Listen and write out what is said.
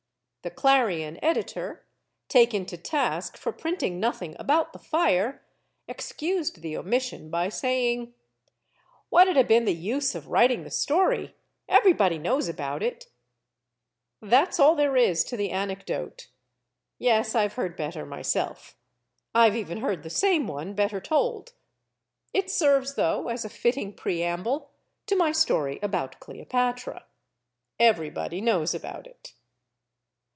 The Clarion editor, taken to task for printing nothing about the fire, ex cused the omission by saying; 136 STORIES OF THE SUPER WOMEN "What'd 'a been the use of writing the story? Everybody knows about it." That's all there is to the anecdote. Yes, I've heard better, myself. I've even heard the same one better told. It serves, though, as a fitting preamble to my story about Cleopatra. "Everybody knows about it."